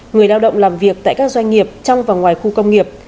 người lao động làm việc tại các doanh nghiệp trong và ngoài khu công nghiệp